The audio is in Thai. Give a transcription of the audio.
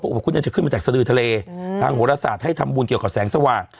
อุปคุธเนี่ยจะขึ้นมาจากสดือทะเลทางโหรศาสตร์ให้ทำบุญเกี่ยวกับแสงสว่าง